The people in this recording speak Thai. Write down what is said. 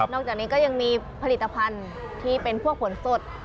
จากนี้ก็ยังมีผลิตภัณฑ์ที่เป็นพวกผลสด